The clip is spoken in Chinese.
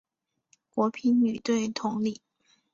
国乒女队同理。